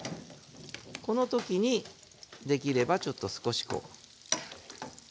この時にできればちょっと少しこう。